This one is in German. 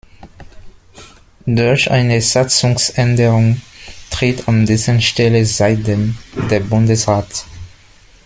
Durch eine Satzungsänderung tritt an dessen Stelle seitdem der Bundesrat.